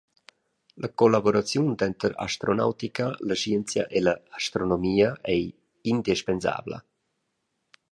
La collavuraziun denter astronautica, la scienzia e l’astronomia ei indispensabla.